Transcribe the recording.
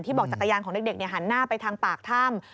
บอกจักรยานของเด็กหันหน้าไปทางปากถ้ำ